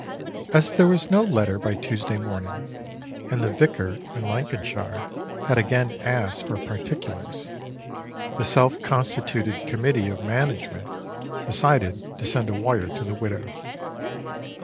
As there was no letter by Tuesday morning, and the vicar in Lancashire had again asked for particulars, the self constituted committee of management decided to send a wire to the widow.